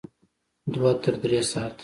دوه تر درې ساعته